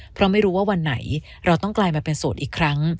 เพราะไม่รู้ว่าวันไหนเราต้องกลายมาเป็นโสดอีกครั้ง